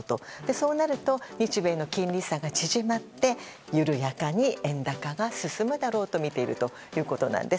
そうなると日米の金利差が縮まって緩やかに円高が進むだろうとみているということです。